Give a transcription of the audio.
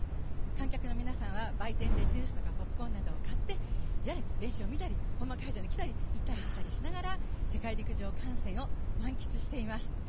観客の皆さんは売店でジュースとかポップコーンとかを買ってやれ練習会場に来たり本番会場に行ったり世界陸上観戦を満喫しています。